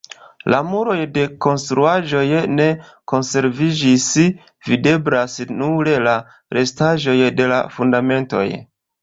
La muroj de konstruaĵoj ne konserviĝis; videblas nur la restaĵoj de la fundamentoj.